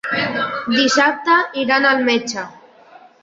Dissabte iran al metge.